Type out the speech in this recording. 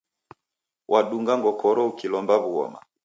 Wadunga ngokoro ukilomba w'ughoma.